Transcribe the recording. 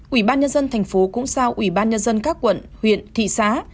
ủy ban nhân dân thành phố cũng sao ủy ban nhân dân các quận huyện thị xá